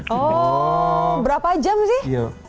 oh berapa jam sih